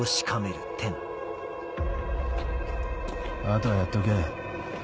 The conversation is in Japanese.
あとはやっとけ。